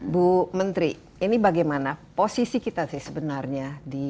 bu menteri ini bagaimana posisi kita sebenarnya